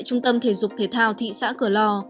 trung tâm thể dục thể thao thị xã cửa lò